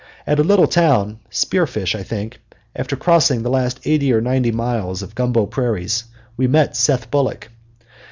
At a little town, Spearfish, I think, after crossing the last eighty or ninety miles of gumbo prairies, we met Seth Bullock.